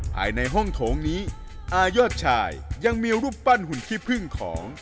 ภายในห้องโถงนี้อายอดชายยังมีรูปปั้นหุ่นขี้พึ่งของ